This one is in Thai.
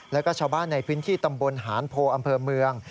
แล้วก็ชาวบ้านในพื้นที่ตำบลหานโพอำเภอเมือง